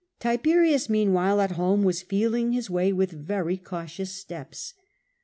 7'iberius meanwhile at home was feeling his way with very cautious steps.